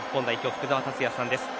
福澤達哉さんです。